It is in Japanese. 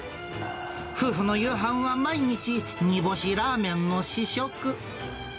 夫婦の夕飯は毎日煮干しラーメンの試食。